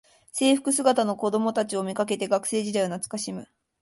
制服姿の子どもたちを見かけて学生時代を懐かしむ